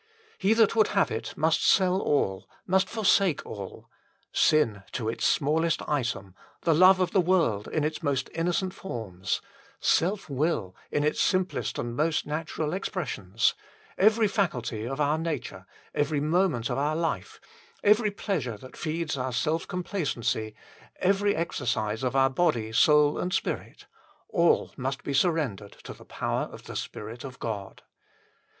He that would have it must sell all, must forsake all : sin to its smallest item, the love of the world in its most innocent forms, self will in its simplest and most natural expressions, every faculty of our nature, every moment of our life, every pleasure that feeds our self complacency, every exercise of our body, soul, and spirit all must be surrendered to the power of the Spirit of God.